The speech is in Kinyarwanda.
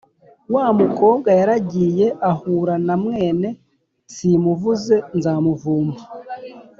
wa mukobwa yaragiye ahura na mwene… simuvuze nzamuvumba.